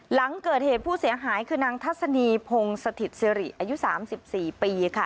หลังเกิดเหตุผู้เสียหายคือนางทัศนีพงศถิตสิริอายุ๓๔ปีค่ะ